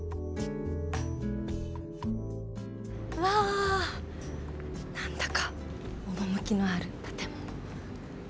うわ何だか趣のある建物。